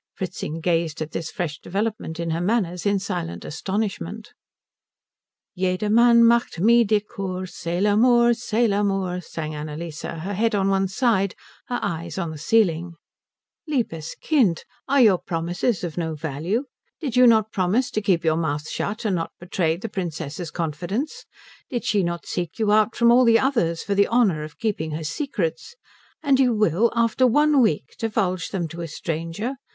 Fritzing gazed at this fresh development in her manners in silent astonishment. "Jedermann macht mir die Cour, c'est l'amour, c'est l'amour," sang Annalise, her head one side, her eyes on the ceiling. "Liebes Kind, are your promises of no value? Did you not promise to keep your mouth shut, and not betray the Princess's confidence? Did she not seek you out from all the others for the honour of keeping her secrets? And you will, after one week, divulge them to a stranger?